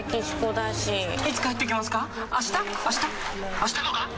あしたとか？